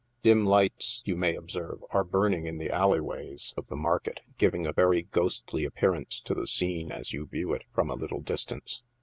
Dim lights, you may observe, are burning in the alley ways of the market, giving a very ghostly appearance to the seene as you view it from a little distance.